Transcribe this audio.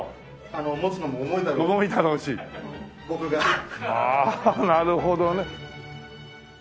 ああなるほどね。